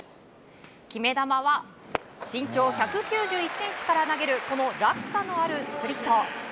決め球は身長１９１ｃｍから投げるこの落差のあるスプリット。